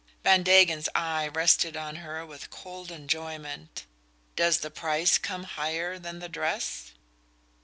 Van Degen's eye rested on her with cold enjoyment. "Does the price come higher than the dress?"